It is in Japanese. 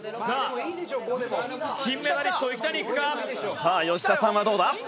さあ、吉田さんはどうだ？